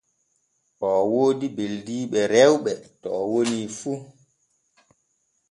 O woodaa beldiiɓe rewɓe to o woni fu.